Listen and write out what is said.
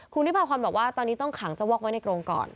คุณนิพาพรบอกว่าตอนนี้ต้องขังเจ้าวอกไว้ในกรงก่อน